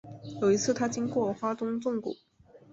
有一次他经过花东纵谷